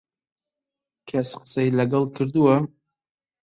کەس قسەی لەگەڵ کردووە؟